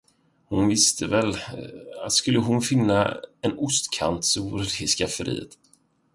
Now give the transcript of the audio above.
Hon visste väl, att skulle hon finna en ostkant, så vore det i skafferiet.